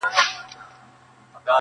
o له نه وسه مي ددۍ خور يې٫